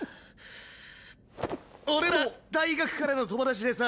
俺ら大学からの友達でさ。